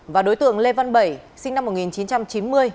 và đối tượng lê văn bảy sinh năm một nghìn chín trăm chín mươi